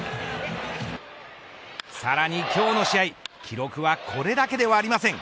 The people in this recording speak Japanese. さらに今日の試合記録はこれだけではありません。